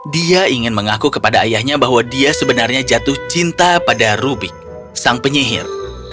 dia ingin mengaku kepada ayahnya bahwa dia sebenarnya jatuh cinta pada rubik sang penyihir